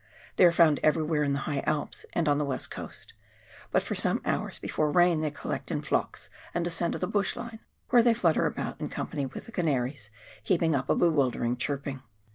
They are found everywhere in the high Alps, and on the "West Coast ; for some hours before rain they collect in flocks and descend to the bush line, where they flutter about in company with the canaries, keeping up a bewildering chirping.